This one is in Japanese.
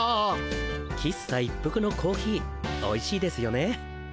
喫茶一服のコーヒーおいしいですよね。